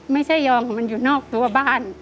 ไม่ใช่ยองมันอยู่นอกตัวบ้าน